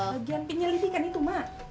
bagian penyelidikan itu mak